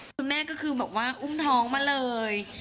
คุณแม่ก็คือบอกว่าอุ้มท้องมาเลย